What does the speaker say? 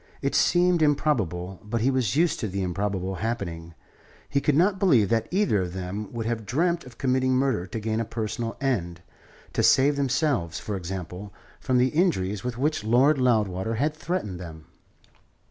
It seemed improbable; but he was used to the improbable happening. He could not believe that either of them would have dreamt of committing murder to gain a personal end to save themselves, for example, from the injuries with which Lord Loudwater had threatened them.